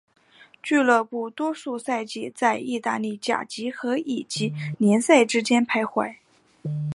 俱乐部多数赛季在意大利甲级和乙级联赛之间徘徊。